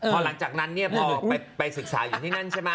พอหลังจากนั้นเนี่ยพอไปศึกษาอยู่ที่นั่นใช่ไหม